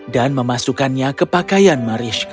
dan memasukkannya ke pakaian mariska